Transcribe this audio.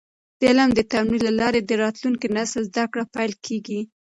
د علم د تمرین له لارې د راتلونکي نسل زده کړه پېل کیږي.